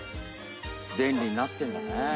便利になってるんだね。